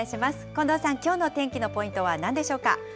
近藤さん、きょうの天気のポイントはなんでしょうか。